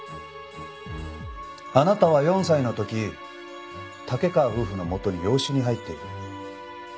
あなたは４歳の時竹川夫婦のもとに養子に入っている。